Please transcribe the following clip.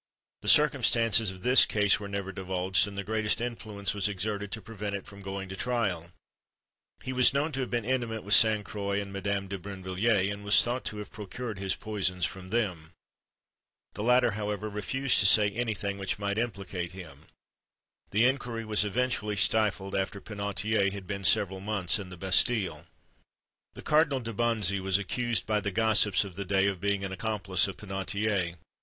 The circumstances of this case were never divulged, and the greatest influence was exerted to prevent it from going to trial. He was known to have been intimate with Sainte Croix and Madame de Brinvilliers, and was thought to have procured his poisons from them. The latter, however, refused to say any thing which might implicate him. The inquiry was eventually stifled, after Penautier had been several months in the Bastille. The Cardinal de Bonzy was accused by the gossips of the day of being an accomplice of Penautier.